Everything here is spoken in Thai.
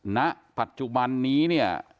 ณปัจจุบันนี้เนี่ย